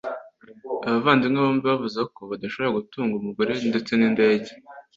Abavandimwe bombi bavuze ko badashobora gutunga umugore ndetse n’indege,